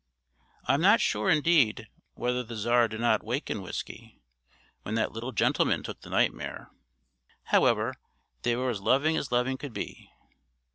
I'm not sure, indeed, whether the Czar did not waken Whiskey, when that little gentleman took the nightmare. However, they were as loving as loving could be.